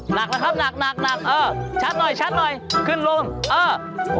หนักนะครับหนักเออชัดหน่อยขึ้นลงเออ